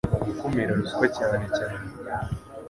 mu gukumira ruswa cyane cyane